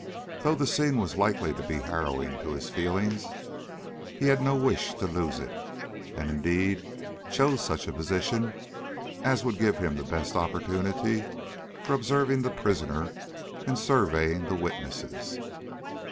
Though the scene was likely to be harrowing to his feelings, he had no wish to lose it, and, indeed, chose such a position as would give him the best opportunity for observing the prisoner and surveying the witnesses.